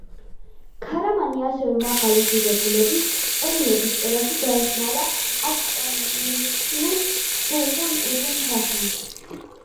ქარამანი ასევე მაღალი ღირებულების წერილების წერაში დაეხმარა აყ-ყოიუნლუს სულთან უზუნ-ჰასანს.